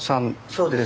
そうです。